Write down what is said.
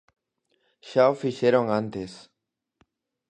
Xa o fixeron antes.